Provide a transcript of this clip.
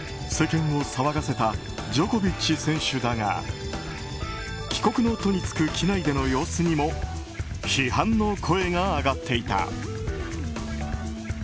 世間を騒がせたジョコビッチ選手だが帰国の途に就く機内での様子にも批判の声が上がっていた。